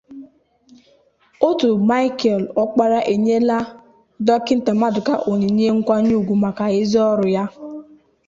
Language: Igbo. Òtù Michael Ọkpara Enyela Dọkịta Maduka Onyinye Nkwanyeùgwù Maka Ezi Ọrụ Ya